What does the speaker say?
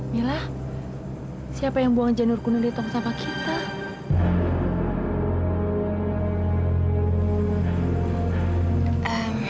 mila siapa yang buang janur kuno di tong sampah kita